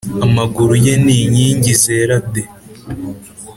Amaguru ye ni inkingi zera de,